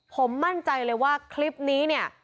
ผมมั่นใจเลยว่าคลิปนี้เนี่ย